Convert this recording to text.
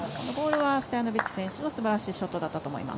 ストヤノビッチ選手もすばらしいショットだったと思います。